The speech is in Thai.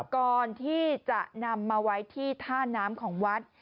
ก่อนที่จะนำมาไว้ที่ท่าน้ำของวัด